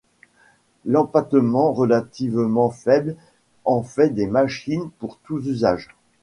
L'empattement relativement faible en fait des machines pour tous usages.